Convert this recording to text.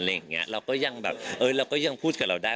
เราก็ยังแบบเออเราก็ยังพูดกับเราได้